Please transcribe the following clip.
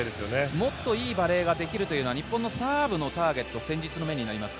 もっといいバレーができるというのはサーブのターゲットを戦術の目になりますか？